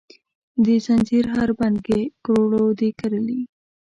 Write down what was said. د ځنځیر هر بند کې کروړو دي کرلې،